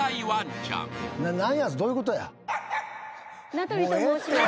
名取と申します。